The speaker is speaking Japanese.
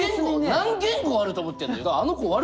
何言語あると思ってるの？